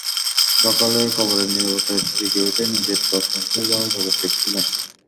সকালে কবরের নীরবতায় জেগে ওঠে নিজের তছনছ হয়ে যাওয়া জগৎ দেখছিলেন।